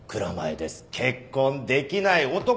『結婚できない男』